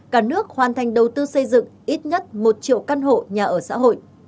hai nghìn ba mươi cả nước hoàn thành đầu tư xây dựng ít nhất một triệu căn hộ nhà ở xã hội